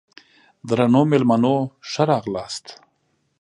درنو مېلمنو ښه راغلاست!